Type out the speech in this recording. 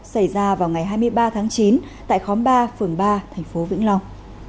xảy ra vào ngày hai mươi ba tháng chín tại khóm ba phường ba tp vĩnh long